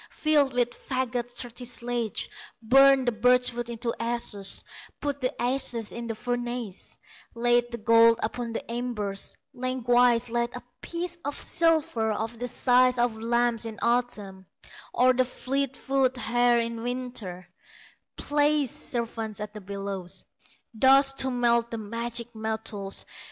Filled with faggots thirty sledges, Burned the birch wood into ashes; Put the ashes in the furnace, Laid the gold upon the embers, Lengthwise laid a piece of silver Of the size of lambs in autumn, Or the fleet foot hare in winter; Places servants at the bellows, Thus to melt the magic metals.